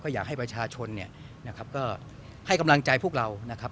อยากให้ประชาชนเนี่ยนะครับก็ให้กำลังใจพวกเรานะครับ